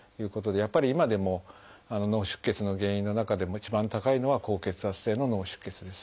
やっぱり今でも脳出血の原因の中でも一番高いのは高血圧性の脳出血です。